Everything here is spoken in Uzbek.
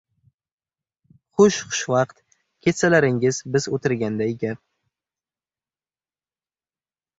— Xush-xushvaqt ketsalaringiz, biz o‘tirganday gap.